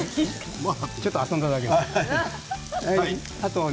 ちょっと遊んだだけ。